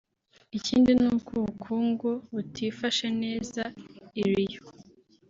ikindi ni uko ubukungu butifashe neza i Rio